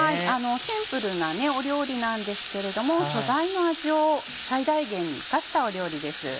シンプルな料理なんですけれども素材の味を最大限生かした料理です。